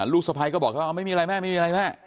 ลูกสะไพรก็บอกว่าไม่มีอะไรแม่